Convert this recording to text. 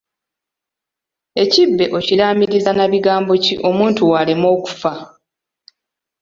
Ekibe okiraamiriza na bigambi ki omuntu wo aleme kufa?